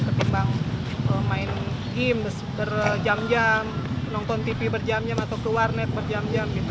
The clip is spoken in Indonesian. ketimbang main game berjam jam nonton tv berjam jam atau keluar net berjam jam gitu